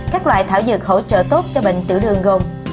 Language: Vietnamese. các loại thảo dược hỗ trợ tốt cho bệnh tiểu đường gồm